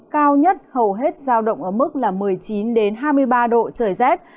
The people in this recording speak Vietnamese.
cao nhất hầu hết giao động ở mức là một mươi chín hai mươi ba độ trời rét